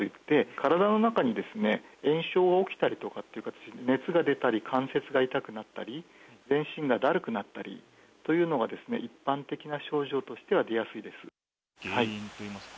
体の中にですね、炎症が起きたりという形、熱が出たり、関節が痛くなったり、全身がだるくなったりというのが一般的な症状としては、原因といいますか。